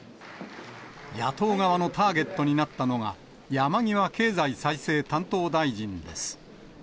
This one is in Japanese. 野党側のターゲットになったのが、山際経済再生担当大臣です。